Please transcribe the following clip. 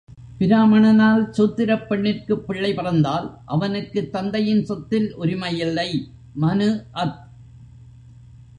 பிராமணனால் சூத்திரப் பெண்ணிற்குப் பிள்ளை பிறந்தால் அவனுக்குத் தந்தையின் சொத்தில் உரிமையில்லை. மனு அத்.